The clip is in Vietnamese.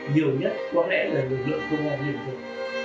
nhiều nhất có lẽ là lực lượng công an liên hợp